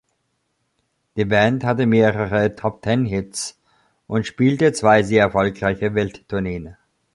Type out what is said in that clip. Die Band hatte mehrere Top-Ten-Hits und spielte zwei sehr erfolgreiche Welttourneen.